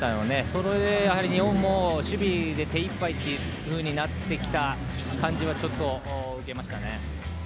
それで日本も守備で手いっぱいとなってきた感じは受けましたね。